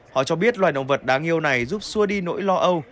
họ cho biết loài động vật đáng yêu này giúp xua đi nỗi lo âu